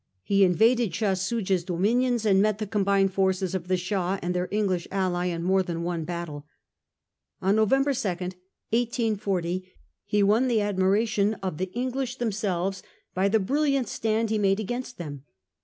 He invaded Shah Soojah's do minions, and met the combined forces of the Shah and their English ally in more than one battle. On November 2, 1840, he won the admiration of the English themselves by the brilliant stand he made against them.